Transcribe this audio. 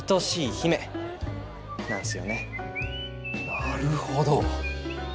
なるほど！